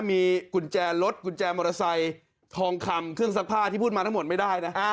มีกุญแจรถกุญแจมอเตอร์ไซค์ทองคำเครื่องซักผ้าที่พูดมาทั้งหมดไม่ได้นะ